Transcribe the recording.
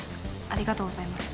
ありがとうございます。